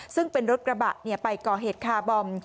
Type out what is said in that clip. ซึ่งเป็นรถกระบะเนี่ยไปก่อเหตุค้าบอม